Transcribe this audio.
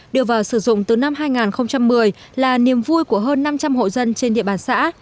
đưa vào sử dụng từ năm hai nghìn một mươi là niềm vui của hơn năm trăm linh hộ dân trên địa bàn xã